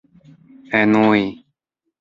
enui